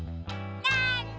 なんだ？